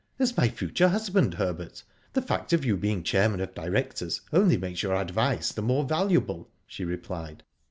" As my future husband, Herbert. The fact of you being chairman of directors only makes your advice the more valuable," she replied.